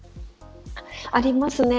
ありますね。